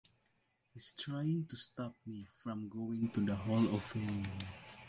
He's trying to stop me from going to the Hall of Fame.